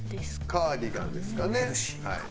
カーディガンですかねはい。